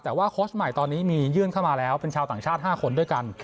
แต่ว่าโค้ชใหม่ตอนนี้มียื่นเข้ามาแล้วเป็นชาวต่างชาติ๕คนด้วยกัน